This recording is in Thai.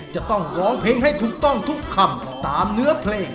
จะต้องร้องเพลงให้ถูกต้องทุกคำตามเนื้อเพลง